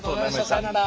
さよなら。